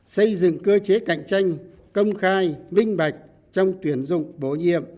xây dựng cơ chế cạnh tranh công khai minh bạch trong tuyển dụng bổ nhiệm